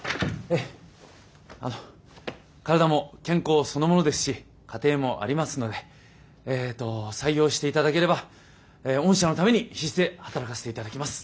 あの体も健康そのものですし家庭もありますのでえっと採用していただければ御社のために必死で働かせていただきます！